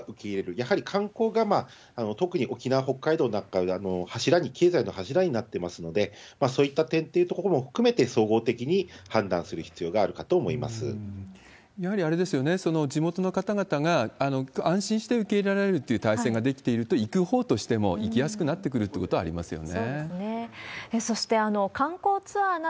やはり観光が特に沖縄、北海道なんか、柱に、経済の柱になってますので、そういった点というところも含めて、総合的に判断する必要があるやはりあれですよね、地元の方々が安心して受け入れられるっていう態勢が出来ていると、行くほうとしても行きやすくなってくるということはありますよね。